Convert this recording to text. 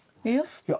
いや。